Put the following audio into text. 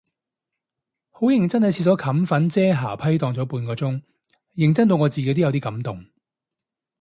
好認真喺廁所冚粉遮瑕批蕩咗半個鐘，認真到我自己都有啲感動